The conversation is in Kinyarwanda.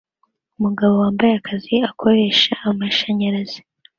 Umugabo wambaye akazi akoresha amashanyarazi